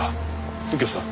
右京さん。